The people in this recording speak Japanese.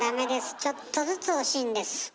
ちょっとずつ惜しいんです。